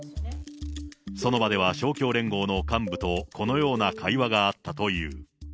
その場では勝共連合の幹部とこのような会話があったという。